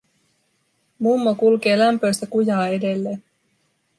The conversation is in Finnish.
Mummo kulkee lämpöistä kujaa edelleen.